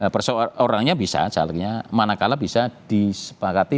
persoalannya bisa calegnya mana kalah bisa disepakati